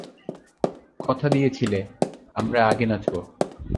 কথা দিয়েছিলে, আমরা আগে নাচবো।